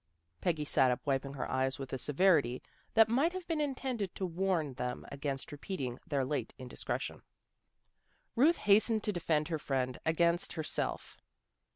" Peggy sat up, wiping her eyes with a severity that might have been intended to warn them against repeating their late in discretion. Ruth hastened to defend her friend against herself.